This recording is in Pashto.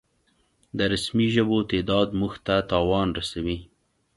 د رسمي ژبو تعداد مونږ ته تاوان رسوي